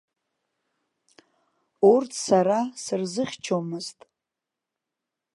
Урҭ сара сырзыхьчомызт.